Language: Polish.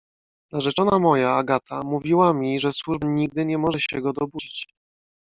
"Narzeczona moja, Agata, mówiła mi, że służba nigdy nie może się go dobudzić."